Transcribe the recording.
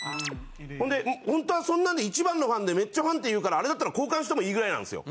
ほんでほんとはそんなの一番のファンでめっちゃファンって言うからあれだったら交換してもいいぐらいなんですよ。